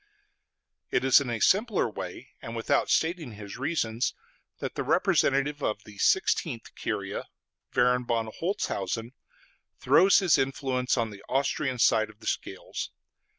It is in a simpler way and without stating his reasons that the representative of the Sixteenth Curia, Baron von Holzhausen, throws his influence on the Austrian side of the scales.